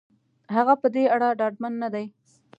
هغه په دې اړه ډاډمن نه دی.